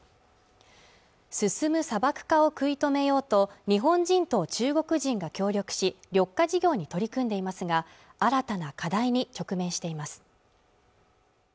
進む砂漠化を食い止めようと日本人と中国人が協力し緑化事業に取り組んでいますが新たな課題に直面しています